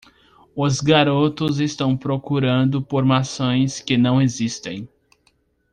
Os garotos estão procurando por maçãs que não existem.